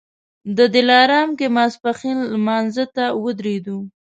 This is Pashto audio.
د دلارام کې ماسپښین لمانځه ته ودرېدو.